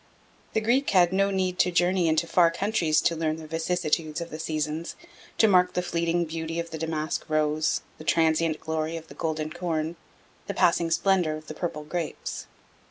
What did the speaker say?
The Greek had no need to journey into far countries to learn the vicissitudes of the seasons, to mark the fleeting beauty of the damask rose, the transient glory of the golden corn, the passing splendour of the purple grapes.